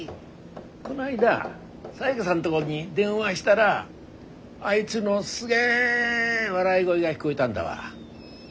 この間サヤカさんどごに電話したらあいづのすげえ笑い声が聞こえだんだわ。